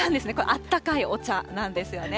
あったかいお茶なんですよね。